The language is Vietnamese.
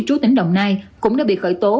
trú tỉnh đồng nai cũng đã bị khởi tố